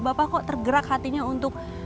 bapak kok tergerak hatinya untuk bisa minum bapak